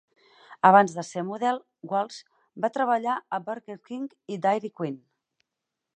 Abans de ser model, Walsh va treballar a Burger King i Dairy Queen.